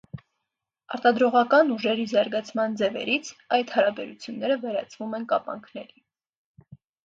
Արտադրողական ուժերի զարգացման ձևերից այդ հարաբերությունները վերածվում են կապանքների։